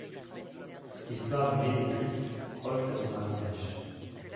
L'histoire d'une éditrice proche de son mariage.